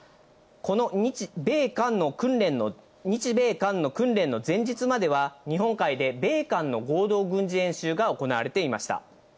この日米韓の訓練の前日までは日本海で米韓の合同軍事演習が行われていました。